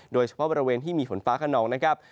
โดยเฉพาะบริเวณที่มีฝนฟ้าขนองนะครับ